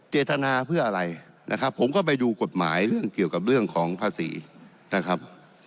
เจตนาเพื่ออะไรนะครับผมก็ไปดูกฎหมายเรื่องเกี่ยวกับเรื่องของภาษีนะครับ